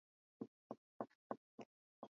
Siku zetu ni njema